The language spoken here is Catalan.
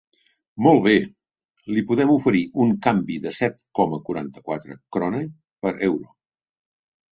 Molt bé, li podem oferir un canvi de set coma quaranta-quatre Krone per Euro.